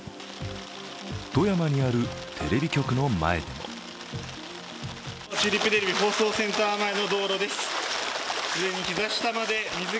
富山にあるテレビ局の前でもチューリップテレビ放送センター前の道路です。